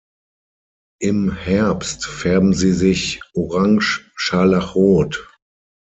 Im Herbst färben sie sich orange-scharlachrot.